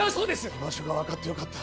居場所が分かってよかった